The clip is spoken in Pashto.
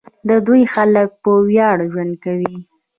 د دوی خلک په ویاړ ژوند کوي.